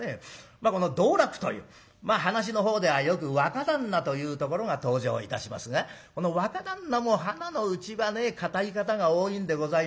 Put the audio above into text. まあこの道楽という噺のほうではよく若旦那というところが登場いたしますがこの若旦那もはなのうちはね堅い方が多いんでございますよ。